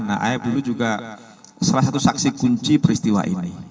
nah ae dulu juga salah satu saksi kunci peristiwa ini